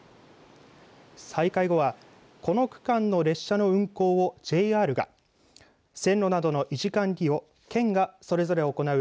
再開後はこの区間の列車の運行をＪＲが線路などの維持管理を県がそれぞれ行う